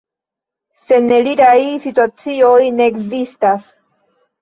Seneliraj situacioj ne ekzistas.